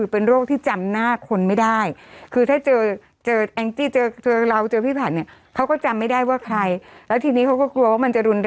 ประจำประเทศที่ดูแม่ครับเบรดประจำประเทศอาทิตย์สุดหล่อ